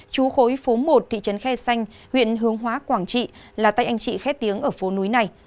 chú khối phố một thị trấn khe xanh huyện hướng hóa quảng trị là tay anh chị khét tiếng ở phố núi này